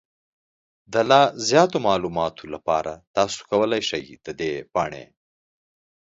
د لا زیاتو معلوماتو لپاره، تاسو کولی شئ د دې پاڼې